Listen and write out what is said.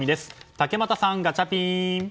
竹俣さん、ガチャピン！